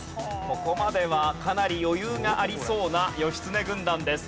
ここまではかなり余裕がありそうな義経軍団です。